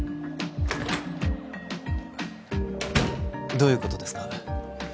どういうことですか？